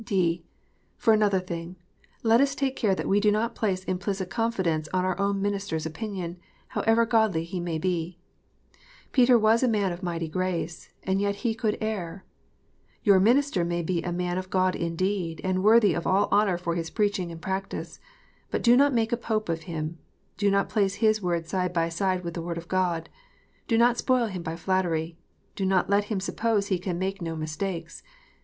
(d) For another thing, let us take care that we do not place implicit confidence on our own minister s opinion, however godly he may be, Peter was a man of mighty grace, and yet he could err. Your minister may be a man of God indeed, and worthy of all honour for his preaching and practice; but do not make a Pope of him. Do not place his word side by side with the Word of God. Do not spoil him by flattery. Do not let him suppose he can make no mistakes.